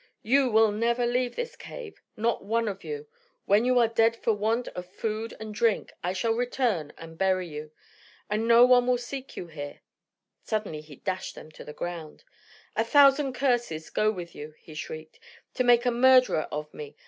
You will never leave this cave, not one of you. When you are dead for want of food and drink, I shall return and bury you. And no one will seek you here." Suddenly he dashed them to the ground. "A thousand curses go with you," he shrieked, "to make a murderer of me.